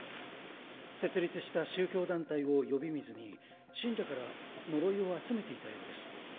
設立した宗教団体を呼び水に信者から呪いを集めていたようです。